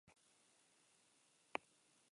Emakumeak ez zuen salaketa jarri nahi izan.